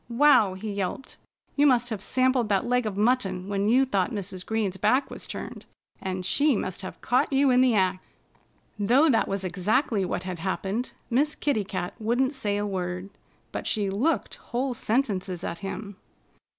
"Wow!" he yelped. "You must have sampled that leg of mutton when you thought Mrs. Green's back was turned. And she must have caught you in the act." Though that was exactly what had happened, Miss Kitty Cat wouldn't say a word. But she looked whole sentences at him.